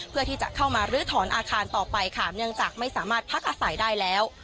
เพื่อที่จะเข้ามาลื้อถอนอาคารต่อไปค่ะเนื่องจากไม่สามารถพักอาศัยได้แล้ว